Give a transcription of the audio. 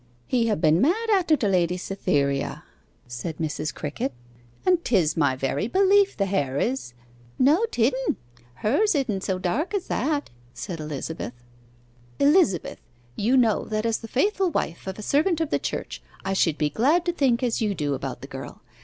'He ha' been mad a'ter my lady Cytherea,' said Mrs. Crickett, 'and 'tis my very belief the hair is ' 'No 'tidn'. Hers idn' so dark as that,' said Elizabeth. 'Elizabeth, you know that as the faithful wife of a servant of the Church, I should be glad to think as you do about the girl.